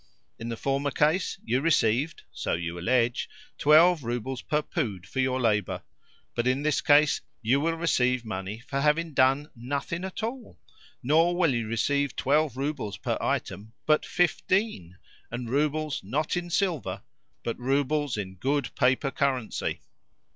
In the former case you received (so you allege) twelve roubles per pood for your labour; but in this case you will receive money for having done nothing at all. Nor will you receive twelve roubles per item, but FIFTEEN and roubles not in silver, but roubles in good paper currency."